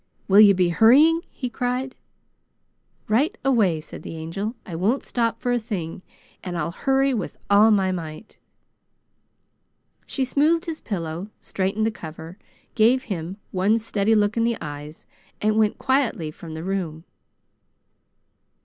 Will you be hurrying?" he cried. "Right away," said the Angel. "I won't stop for a thing, and I'll hurry with all my might." She smoothed his pillow, straightened the cover, gave him one steady look in the eyes, and went quietly from the room.